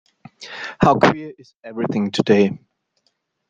How queer everything is to-day!